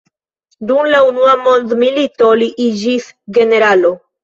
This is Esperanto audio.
Dum la unua mondmilito li iĝis generalo.